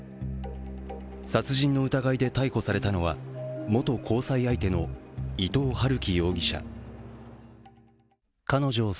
殺人の疑いで逮捕されたのは元交際相手の伊藤龍稀容疑者。